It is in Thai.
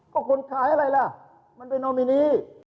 ก็คนขายอะไรล่ะมันเป็นนอมินี